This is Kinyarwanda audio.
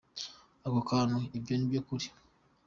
Ako kantu : ibyo ni byo kuri.